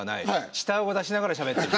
下あごを出しながらしゃべってる。